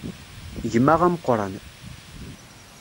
Gma ameqqran.